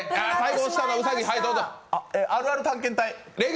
あるある探検隊？